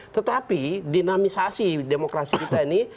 tetapi dinamisasi demokrasi kita ini